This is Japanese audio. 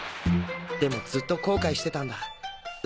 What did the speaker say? でもずっと後悔してたんだ。